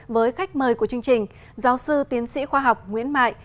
với khách mời của chương trình giáo sư tiến sĩ khoa học nguyễn mại